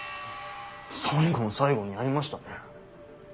最後の最後にやりましたね。